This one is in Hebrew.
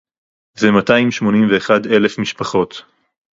זה מאתיים שמונים ואחד אלף משפחות